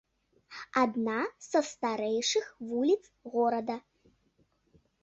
Адна са старэйшых вуліц горада.